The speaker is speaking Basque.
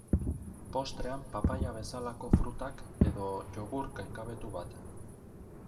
Postrean papaia bezalako frutak, edo jogurt gaingabetu bat.